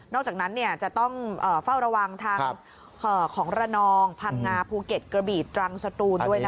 อกจากนั้นจะต้องเฝ้าระวังทางของระนองพังงาภูเก็ตกระบีตรังสตูนด้วย